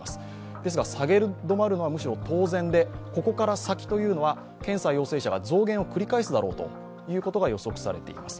ですが、下げ止まるのはむしろ当然で、ここから先は検査陽性者が増減を繰り返すだろうと予測されています。